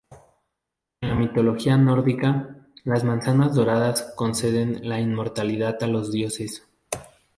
En la mitología nórdica, las manzanas doradas conceden la inmortalidad a los dioses.